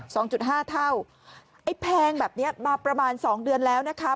สองจุดห้าเท่าไอ้แพงแบบเนี้ยมาประมาณสองเดือนแล้วนะคะ